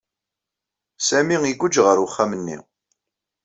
Sami iguǧǧ ɣer uxxam-nni.